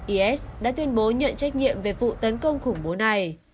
is đã tuyên bố nhận trách nhiệm về vụ tấn công khủng bố này